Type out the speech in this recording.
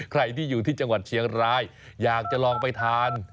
ใครที่อยู่ที่จังหวัดเชียงรายอยากจะลองไปทาน